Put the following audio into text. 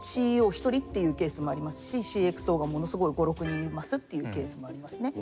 一人っていうケースもありますしＣｘＯがものすごい５６人いますっていうケースもありますね。